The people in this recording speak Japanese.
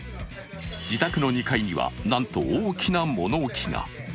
自宅の２階には、なんと大きな物置が。